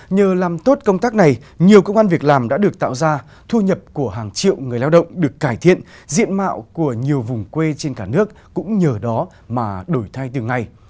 nhờ làm tốt công tác này nhiều công an việc làm đã được tạo ra thu nhập của hàng triệu người lao động được cải thiện diện mạo của nhiều vùng quê trên cả nước cũng nhờ đó mà đổi thay từng ngày